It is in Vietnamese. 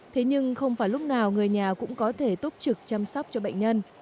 thế nhưng không phải lúc nào người nhà cũng có thể túc trực chăm sóc cho bệnh nhân